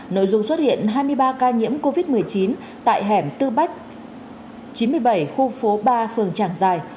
nội dung xuất hiện hai mươi ba ca nhiễm covid một mươi chín tại hẻm tư bách chín mươi bảy khu phố ba phường trảng giài